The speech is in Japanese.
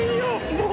もう！